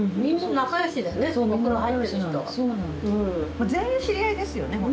もう全員知り合いですよね